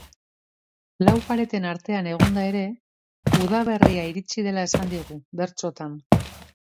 Lau pareten artean egonda ere, udaberria iritsi dela esan digu, bertsotan.